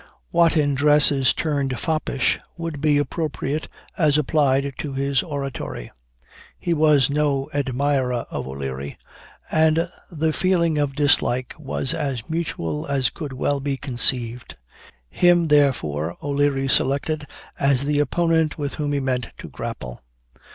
What in dress is termed foppish, would be appropriate as applied to his oratory. He was no admirer of O'Leary, and the feeling of dislike was as mutual as could well be conceived. Him, therefore, O'Leary selected as the opponent with whom he meant to grapple.